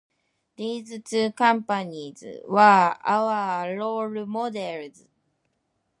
These two companies were our role models.